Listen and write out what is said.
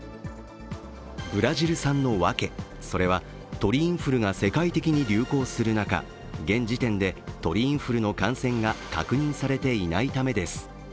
ブラジル産の訳、それは鳥インフルが世界的に流行する中、現時点で鳥インフルエンザの感染が確認されていないためです。